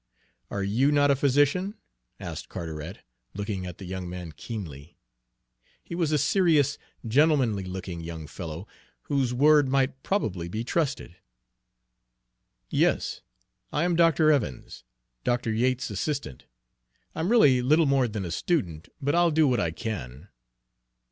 "Are you not a physician?" asked Carteret, looking at the young man keenly. He was a serious, gentlemanly looking young fellow, whose word might probably be trusted. "Yes, I am Dr. Evans, Dr. Yates's assistant. I'm really little more than a student, but I'll do what I can."